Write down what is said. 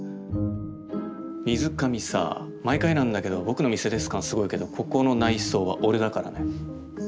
水上さ毎回なんだけど僕の店です感すごいけどここの内装は俺だからね。